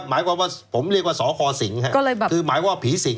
หมายความว่าผมเรียกว่าสอคอสิงฯคือหมายว่าผีสิงฯ